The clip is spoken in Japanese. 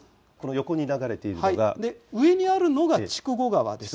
そして上にあるのが筑後川です。